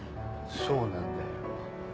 そうなんだよ